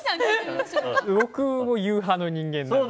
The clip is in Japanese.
僕は言う派の人間です。